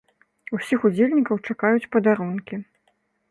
Усіх удзельнікаў чакаюць падарункі.